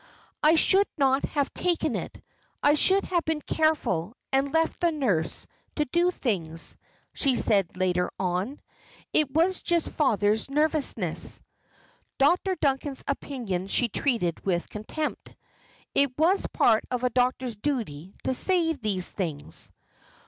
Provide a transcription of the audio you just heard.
"I should not have taken it. I should have been careful and left the nurse to do things," she said later on. "It was just father's nervousness." Dr. Duncan's opinion she treated with contempt. It was part of a doctor's duty to say these things.